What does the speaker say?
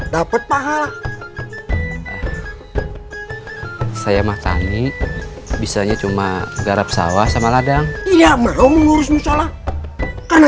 dapat pahala saya mah tani bisanya cuma garap sawah sama ladang tidak mau mengurus musyola karena